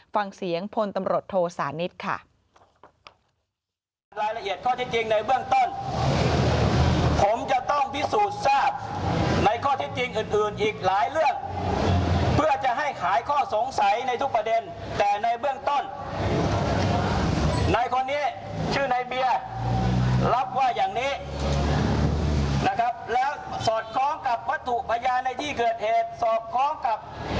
ฟังเสียงพลตำรวจโทสานิทค่ะ